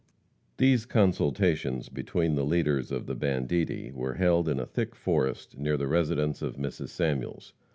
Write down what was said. These consultations between the leaders of the banditti were held in a thick forest near the residence of Mrs. Samuels.